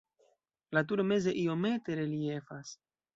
La turo meze iomete reliefas.